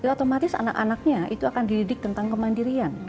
otomatis anak anaknya itu akan dididik tentang kemandirian